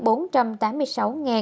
cảm ơn các bạn đã theo dõi và hẹn gặp lại